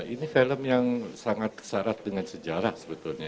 ini film yang sangat syarat dengan sejarah sebetulnya